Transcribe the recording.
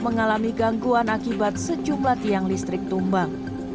mengalami gangguan akibat sejumlah tiang listrik tumbang